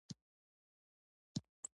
• سترګې د انسان د ژوند یوه لازمي برخه ده.